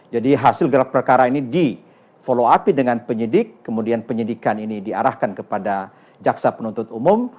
jadi hasil gelar perkara ini di follow up i dengan penyidik kemudian penyidikan ini diarahkan kepada jaksa penuntut umum